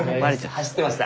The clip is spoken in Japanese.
走ってました。